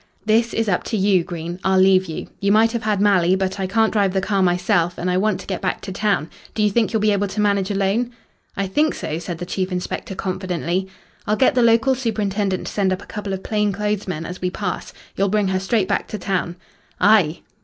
"This is up to you, Green. I'll leave you. You might have had Malley, but I can't drive the car myself, and I want to get back to town. Do you think you'll be able to manage alone?" "I think so," said the chief inspector confidently. "I'll get the local superintendent to send up a couple of plain clothes men as we pass. You'll bring her straight back to town." "Ay!"